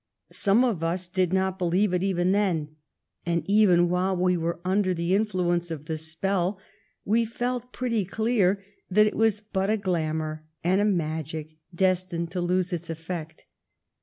Some of us did not believe it even then; and even while we were under the influence of the spell we felt pretty clear that it was but a glamour and a magic destined to lose its effect.